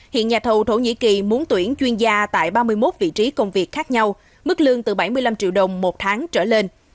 hiện nhà thầu thổ nhĩ kỳ muốn tuyển chuyên gia tại ba mươi một vị trí công việc khác nhau mức lương từ bảy mươi năm triệu đồng một tháng trở lên